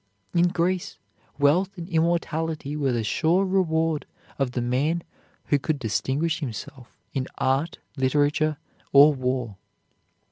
In Greece, wealth and immortality were the sure reward of the man who could distinguish himself in art, literature, or war.